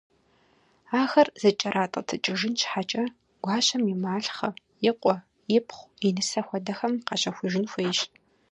Ахэр зэкӀэратӀэтыкӀыжын щхьэкӀэ, гуащэм и малъхъэ, и къуэ, ипхъу, и нысэ хуэдэхэм къащэхужын хуейщ.